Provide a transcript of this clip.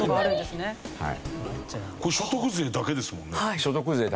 これ所得税だけですもんね？